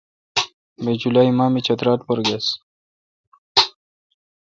بہ جولالی ماہ می چترال پر گیس۔